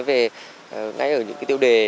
về ngay ở những cái tiêu đề